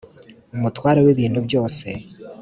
umutware w ibintu byose